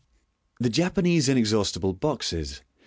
The Japanese Inexhaustible Boxes.